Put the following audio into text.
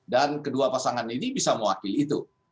dan kedua pasangan ini bisa mewakili itu